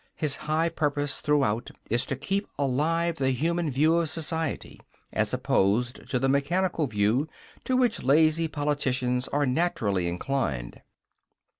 His high purpose throughout is to keep alive the human view of society, as opposed to the mechanical view to which lazy politicians are naturally inclined.